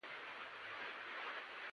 په دې حکومتونو کې د شاه واک محدود دی.